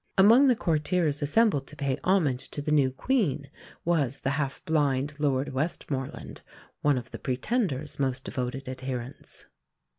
Among the courtiers assembled to pay homage to the new Queen was the half blind Lord Westmorland, one of the Pretender's most devoted adherents.